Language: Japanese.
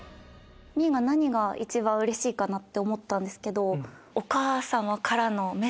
みーが何が一番うれしいかって思ったんですけど。